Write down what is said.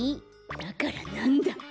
だからなんだ？